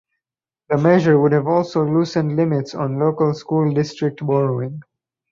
The measure would have also loosened limits on local school district borrowing.